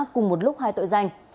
cùng một lúc hai tội danh